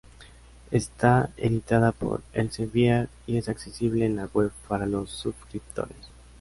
Está editada por Elsevier y es accesible en la Web para los subscriptores.